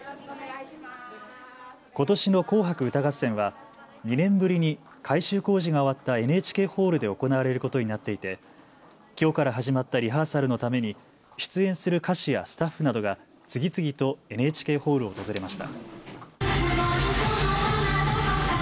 ことしの紅白歌合戦は２年ぶりに改修工事が終わったＮＨＫホールで行われることになっていてきょうから始まったリハーサルのために出演する歌手やスタッフなどが次々とＮＨＫホールを訪れました。